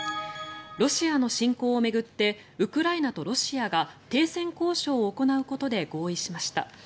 ロシアの侵攻を巡ってウクライナとロシアが停戦交渉を行うことで合意しました。